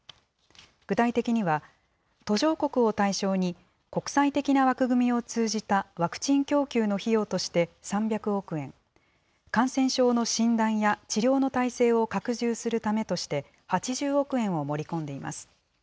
具体的には途上国を対象に、国際的な枠組みを通じたワクチン供給の費用として３００億円、感染症の診断や治療の体制を拡充するためとして８０億円を盛り込んでいます。